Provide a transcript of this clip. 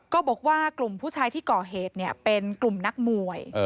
ก็บอกว่ากลุ่มผู้ชายที่ก่อเหตุเป็นกลุ่มนักมวย